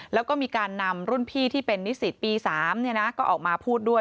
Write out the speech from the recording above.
แล้วก็มีการนำรุ่นพี่ที่เป็นนิสิตปี๓ก็ออกมาพูดด้วย